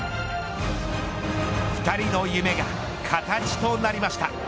２人の夢が形となりました。